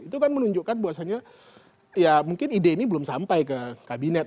itu kan menunjukkan bahwasannya ya mungkin ide ini belum sampai ke kabinet